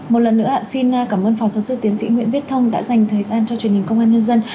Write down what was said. một lần nữa xin cảm ơn phó giáo sư tiến sĩ nguyễn viết thông đã dành thời gian cho truyền hình công an nhân dân